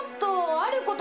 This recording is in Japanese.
あること？